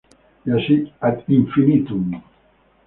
Y así "ad infinitum".